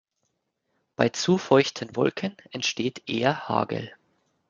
Bei zu feuchten Wolken entsteht eher Hagel.